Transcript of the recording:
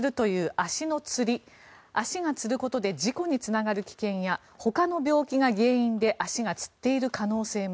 足がつることで事故につながる危険やほかの病気が原因で足がつっている可能性も。